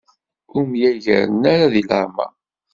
Ur myagaren ara di leɛmer.